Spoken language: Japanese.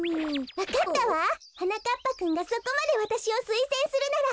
わかったわ！はなかっぱくんがそこまでわたしをすいせんするなら。